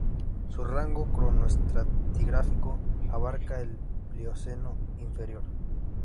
Su rango cronoestratigráfico abarca el Plioceno inferior.